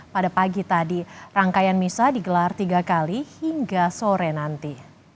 pada pagi tadi rangkaian misa digelar tiga kali hingga sore nanti